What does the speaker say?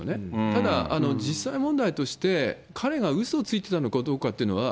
ただ、実際問題として、彼がうそをついてたかどうかというのは、